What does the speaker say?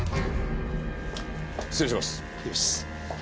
失礼します。